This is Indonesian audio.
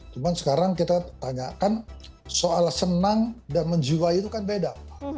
cuma sekarang kita tanyakan soal senang dan menjiwai itu kan beda